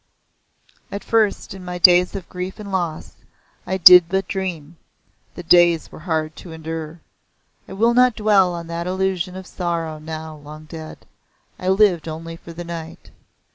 At first, in my days of grief and loss, I did but dream the days were hard to endure. I will not dwell on that illusion of sorrow, now long dead. I lived only for the night.